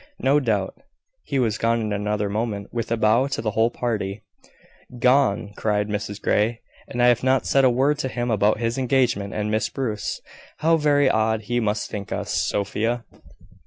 "No doubt." He was gone in another moment, with a bow to the whole party. "Gone!" cried Mrs Grey; "and I have not said a word to him about his engagement and Miss Bruce! How very odd he must think us, Sophia!"